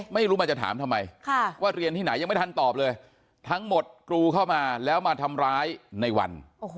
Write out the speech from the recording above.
ไม่รู้มาจะถามทำไมว่าเรียนที่ไหนยังไม่ทันตอบเลยทั้งหมดกรูเข้ามาแล้วมาทำร้ายในวัน